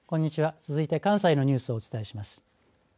続いて関西からのニュースをお伝えします。